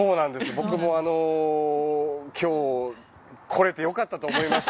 僕も今日、来れてよかったと思いました。